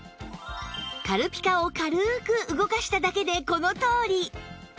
軽ピカを軽く動かしただけでこのとおり！